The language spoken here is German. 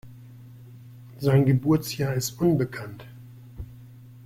Sein Geburtsjahr ist unbekannt.